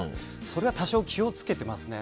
それは多少、気を付けてますね。